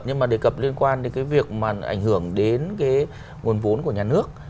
nhưng mà đề cập liên quan đến cái việc mà ảnh hưởng đến cái nguồn vốn của nhà nước